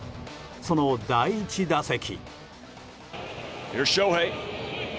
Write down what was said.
その第１打席。